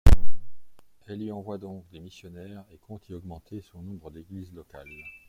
Elle y envoie donc des missionnaires et compte y augmenter son nombre d'églises locales.